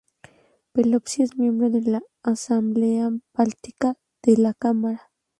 Pelosi es miembro de la Asamblea Báltica de la Cámara.